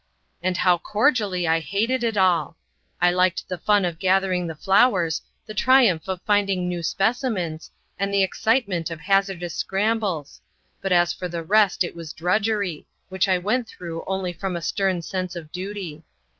And how cordially I hated it all! I liked the fun of gathering the flowers, the triumph of finding new specimens, and the excitement of hazardous scrambles; but as for the rest it was drudgery, which I went through only from a stern sense of duty.